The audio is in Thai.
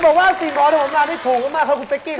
๑๒๔๐๐บาทนี้ถูกมากกับคุณแพทย์ครับ